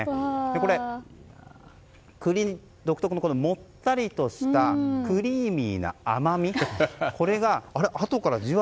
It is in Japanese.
これ、栗独特のもったりとしたクリーミーな甘みがこれが後から。